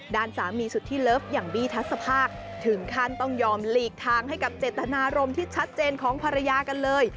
ด้านสามีสุดที่เลิฟอย่างบีทัศภาคถึงขั้นต้องยอมหลีกทางให้กับเจตนารมณ์ที่ชัดเจนของภรรยากันเลย